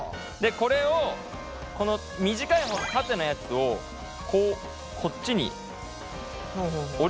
これをこの短い方の縦のやつをこうこっちに折り込みます。